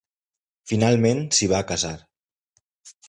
Finalment s'hi va casar.